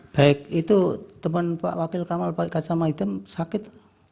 baik itu teman pak wakil kamal pakai kacama hitam sakit